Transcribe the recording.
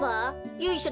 ゆいしょ